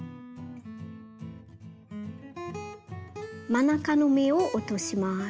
真ん中の目を落とします。